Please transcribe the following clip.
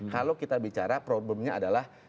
kalau kita bicara problemnya adalah